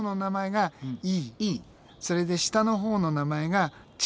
それで下のほうの名前がチー。